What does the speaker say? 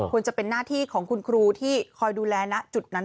ควรจะเป็นหน้าที่ของคุณครูที่คอยดูแลนะ